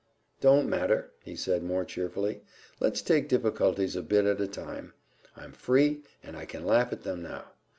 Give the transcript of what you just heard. "Don't matter," he said more cheerfully. "Let's take difficulties a bit at a time. I'm free, and I can laugh at them now.